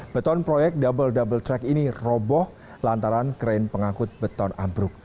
beton proyek double double track ini roboh lantaran kren pengangkut beton ambruk